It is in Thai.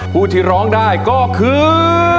ผู้ที่ร้องได้ก็คือ